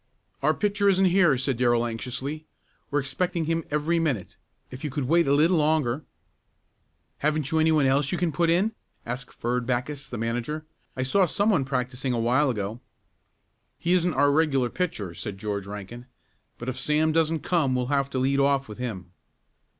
"Our pitcher isn't here," said Darrell anxiously. "We're expecting him every minute. If you could wait a little longer " "Haven't you any one else you can put in?" asked Ferd Backus, the manager. "I saw some one practicing a while ago." "He isn't our regular pitcher," said George Rankin, "but if Sam doesn't come we'll have to lead off with him."